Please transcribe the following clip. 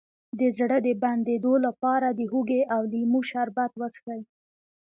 د زړه د بندیدو لپاره د هوږې او لیمو شربت وڅښئ